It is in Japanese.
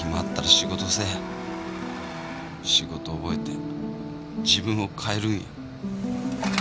仕事を覚えて自分を変えるんや。